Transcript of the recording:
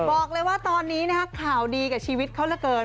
บอกเลยว่าตอนนี้นะฮะข่าวดีกับชีวิตเขาเหลือเกิน